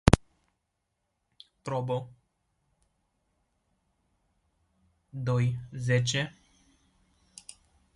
Ați avut și încă aveți acest sprijin.